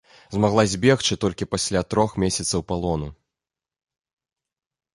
Змагла збегчы толькі пасля трох месяцаў палону.